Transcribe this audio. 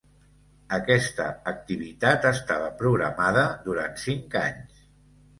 Aquesta activitat estava programada durant cinc anys.